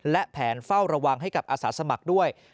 และแผนเฝ้าระวังให้กับอาสาสมัครด้วย